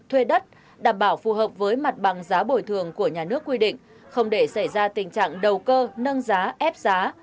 thuê đất đảm bảo phù hợp với mặt bằng giá bồi thường của nhà nước quy định không để xảy ra tình trạng đầu cơ nâng giá ép giá